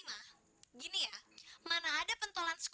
nanti saya dimarahin dong